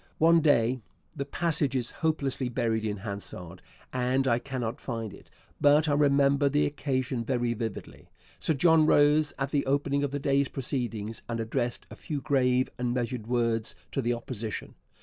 One day the passage is hopelessly buried in Hansard and I cannot find it, but I remember the occasion very vividly Sir John rose at the opening of the day's proceedings and addressed a few grave and measured words to the Opposition.